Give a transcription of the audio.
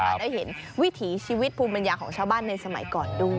ได้เห็นวิถีชีวิตภูมิปัญญาของชาวบ้านในสมัยก่อนด้วย